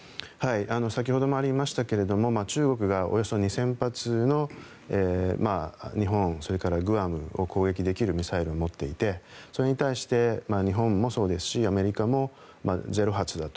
先ほどもありましたが中国がおよそ２０００発の日本、それからグアムを攻撃できるミサイルを持っていてそれに対して、日本もそうですしアメリカも０発だと。